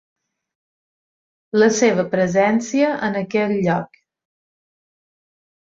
La seva presència en aquell lloc.